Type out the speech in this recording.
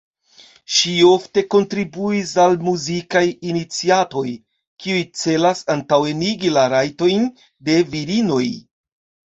Ŝi ofte kontribuis al muzikaj iniciatoj kiuj celas antaŭenigi la rajtojn de virinoj.